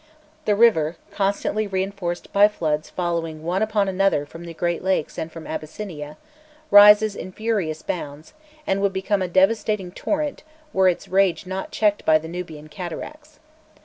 The river, constantly reinforced by floods following one upon another from the Great Lakes and from Abyssinia, rises in furious bounds, and would become a devastating torrent were its rage not checked by the Nubian cataracts.